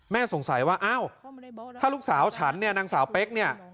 สงสัยว่าอ้าวถ้าลูกสาวฉันเนี่ยนางสาวเป๊กเนี่ย